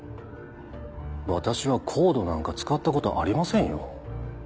私はＣＯＤＥなんか使ったことありませんよ。